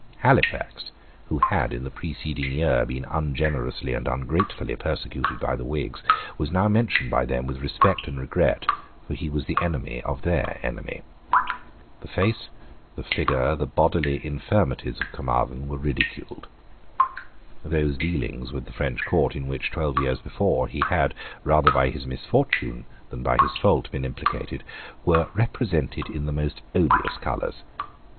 Halifax, who had, in the preceding year, been ungenerously and ungratefully persecuted by the Whigs, was now mentioned by them with respect and regret; for he was the enemy of their enemy, The face, the figure, the bodily infirmities of Caermarthen, were ridiculed, Those dealings with the French Court in which, twelve years before, he had, rather by his misfortune than by his fault, been implicated, were represented in the most odious colours.